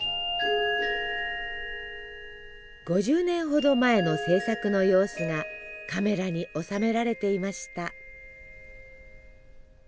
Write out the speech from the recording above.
５０年ほど前の制作の様子がカメラに収められていました。